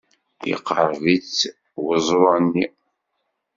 Yeqreḍ-itt weẓru-nni.